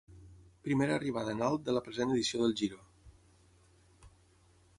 Primera arribada en alt de la present edició del Giro.